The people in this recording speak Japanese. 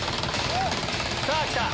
さぁきた！